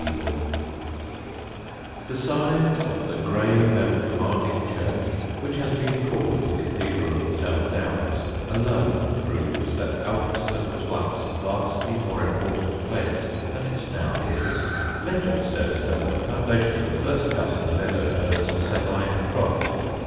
[Sidenote: THE CATHEDRAL OF THE DOWNS] The size of the grave and commanding church, which has been called the cathedral of the South Downs, alone proves that Alfriston was once a vastly more important place than it now is. Legend says that the foundations were first cut in the meadow known as Savyne Croft.